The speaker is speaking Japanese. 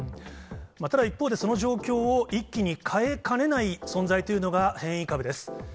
ただ一方で、その状況を一気に変えかねない存在というのが変異株です。